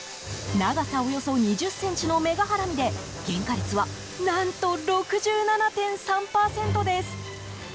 長さおよそ２０ｃｍのメガハラミで原価率は何と６７．３％です。